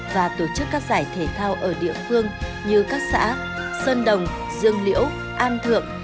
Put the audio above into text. và tổ chức các giải thể thao ở địa phương như các xã sơn đồng dương liễu an thượng